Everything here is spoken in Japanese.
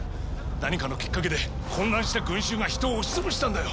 何かのきっかけで混乱した群衆が人を押し潰したんだよ。